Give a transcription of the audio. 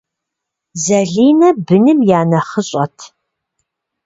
Залинэ быным я нэхъыщӏэт.